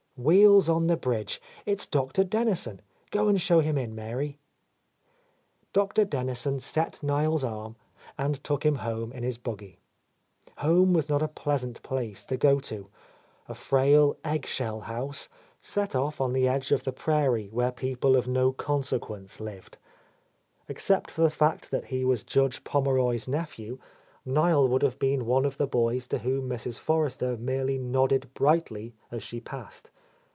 "Wheels on the bridge; it's Doctor Dennison. Go and show him in, Mary." Dr. Dennison set Niel's arm and took him home in his buggy. Home was not a pleasant place to go to; a frail egg shell house, set off on the edge of the prairie where people of no conse quence lived. Except for the fact that he was Judge Pommeroy's nephew, Nlel would have been one of the boys to whom Mrs. Forrester merely nodded brightly as she passed.